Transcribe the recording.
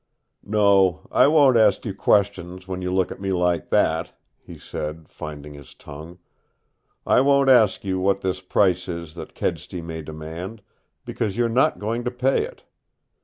"No, I won't ask you questions, when you look at me like that," he said, finding his tongue. "I won't ask you what this price is that Kedsty may demand, because you're not going to pay it.